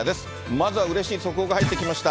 まずはうれしい速報が入ってきました。